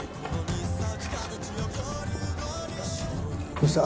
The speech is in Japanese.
どうした？